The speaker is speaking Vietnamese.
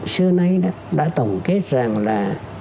xưa nay đã tổng kết rằng là